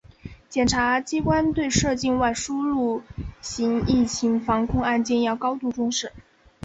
检察机关对涉境外输入型疫情防控案件要高度重视